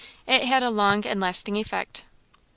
It had a long and lasting effect.